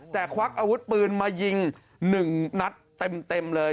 แต่ควักอาวุธปืนมายิง๑นัดเต็มเลย